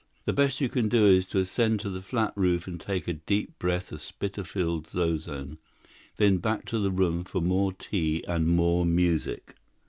The best you can do is to ascend to the flat roof, and take a deep breath of Spitalfields ozone. Then back to the room for more tea and more music.